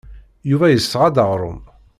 Yuba yesɣa-d aɣrum.